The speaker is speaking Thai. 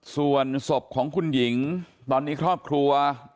ส่วนศพของคุณหญิงตอนนี้ครอบครัว